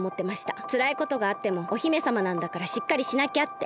つらいことがあってもお姫さまなんだからしっかりしなきゃって。